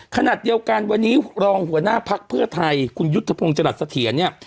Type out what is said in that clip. ขณะเดียวกันวันนี้รองหัวหน้าภักดิ์เพื่อไทยคุณยุทธพงศ์จรัสเถียรเนี่ย